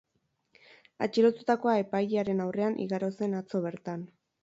Atxilotutakoa epailearen aurrean igaro zen atzo bertan.